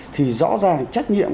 thì rõ ràng trách nhiệm